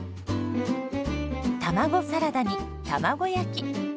卵サラダに卵焼き。